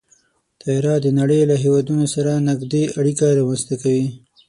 طیاره د نړۍ له هېوادونو سره نږدې اړیکې رامنځته کوي.